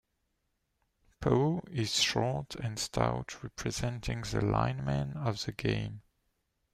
Poe is short and stout representing the linemen of the game.